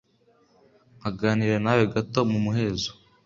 nkaganira nawe gato mumuhezo